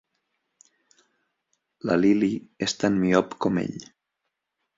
La Lily és tan miop com ell.